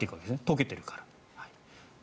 解けているから。